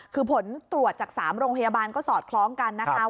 คือผลตรวจจาก๓โรงพยาบาลก็สอดคล้องกันนะคะ